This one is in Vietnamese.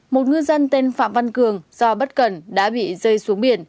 một ngư dân tên phạm văn cường do bất cần đã bị rơi xuống biển